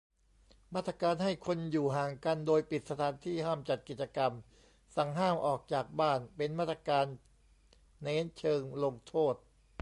มาตรการให้คนอยู่ห่างกัน โดยปิดสถานที่ ห้ามจัดกิจกรรม สั่งห้ามออกจากบ้าน เป็นมาตรการเน้นเชิงลงโทษ